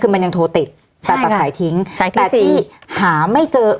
คือมันยังตัดสายทิ้งสายที่สี่แต่ที่หาไม่เจอ